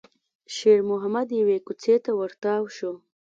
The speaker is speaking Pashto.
شېرمحمد يوې کوڅې ته ور تاو شو.